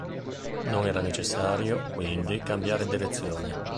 Non era necessario, quindi, cambiare direzione.